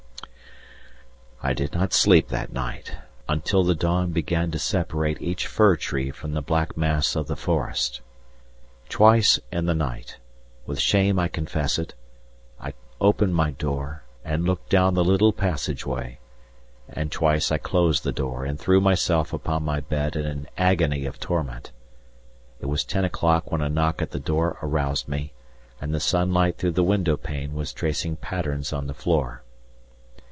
I did not sleep that night, until the dawn began to separate each fir tree from the black mass of the forest. Twice in the night, with shame I confess it, I opened my door and looked down the little passage way; and twice I closed the door and threw myself upon my bed in an agony of torment. It was ten o'clock when a knock at the door aroused me, and the sunlight through the window pane was tracing patterns on the floor.